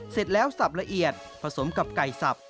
เสร็จแล้วสับละเอียดผสมกับไก่สับ